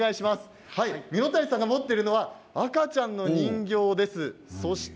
蓑谷さんが持っているのは赤ちゃんの人形です。